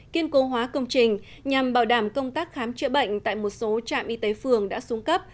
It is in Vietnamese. kiên cố hóa công trình nhằm bảo đảm công tác khám chữa bệnh tại một số trạm y tế phường đã xuống cấp